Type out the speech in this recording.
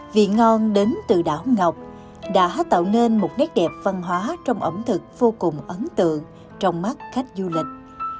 vị ngon đến từ đảo ngọc đã tạo nên một nét đẹp văn hóa trong ẩm thực vô cùng ấn tượng trong mắt khách du lịch